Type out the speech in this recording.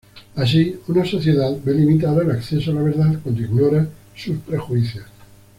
Así, una sociedad ve limitada el acceso a la verdad cuando ignora sus prejuicios.